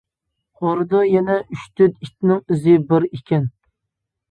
ئارىدا يەنە ئۈچ-تۆت ئىتنىڭ ئىزى بار ئىكەن.